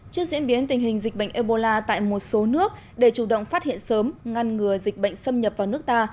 trước diễn biến tình hình dịch bệnh ebola tại một số nước để chủ động phát hiện sớm ngăn ngừa dịch bệnh xâm nhập vào nước ta